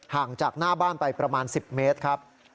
ห่างจากหน้าบ้านไปประมาณ๑๐เมตรครับ